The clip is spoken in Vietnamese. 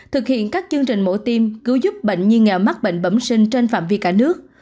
thực hiện các chương trình mổ tim cứu giúp bệnh nhi nghèo mắc bệnh bẩm sinh trên phạm vi cả nước